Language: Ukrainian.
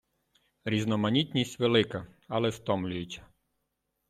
Різноманітність велика, але стомлююча.